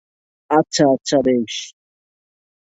আচ্ছা আচ্ছা, বেশ!